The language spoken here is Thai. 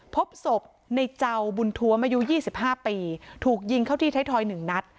พบศพในเจ้าบุญทัวร์มายูยี่สิบห้าปีถูกยิงเข้าที่ไทยทอยหนึ่งนัด